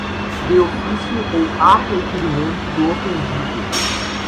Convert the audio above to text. De ofício ou a requerimento do ofendido